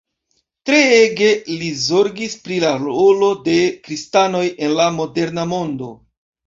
Treege li zorgis pri la rolo de kristanoj en la moderna mondo.